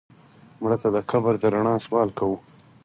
مړه ته د قبر د رڼا سوال کوو